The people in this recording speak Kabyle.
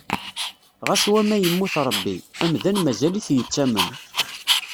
Ɣas wamma yemmut Ṛebbi, amdan mazal-it yettamen.